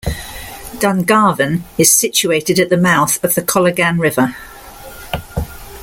Dungarvan is situated at the mouth of the Colligan River.